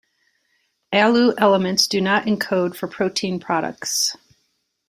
"Alu" elements do not encode for protein products.